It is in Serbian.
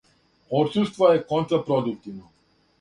Одсуство је контрапродуктивно.